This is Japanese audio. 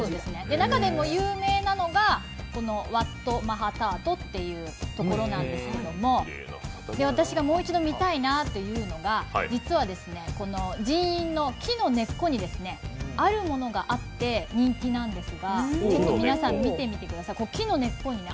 中でも有名なのが、ワット・マハタートというところなんですけれども、私がもう一度見たいなというのが、実は寺院の木の根っこに、あるものがあって人気なんですがちょっと皆さん、見てください。